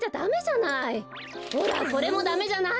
ほらこれもダメじゃない。